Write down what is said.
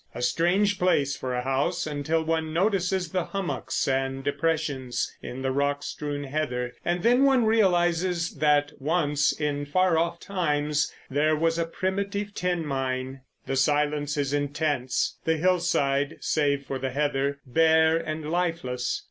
A strange place for a house until one notices the hummocks and depressions in the rock strewn heather, and then one realises that once in far off times this was a primitive tin mine. The silence is intense—the hillside, save for the heather, bare and lifeless.